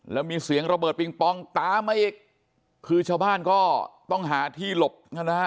แล้วมีเสียงระเบิดปิงปองตามมาอีกคือชาวบ้านก็ต้องหาที่หลบนะฮะ